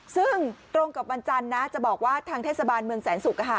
ซึ่งตรงกับวันจันทร์นะจะบอกว่าทางเทศบาลเมืองแสนศุกร์